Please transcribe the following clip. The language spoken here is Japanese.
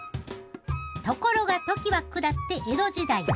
ところが時は下って江戸時代。